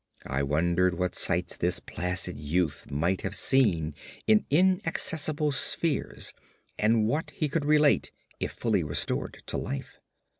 I wondered what sights this placid youth might have seen in inaccessible spheres, and what he could relate if fully restored to life.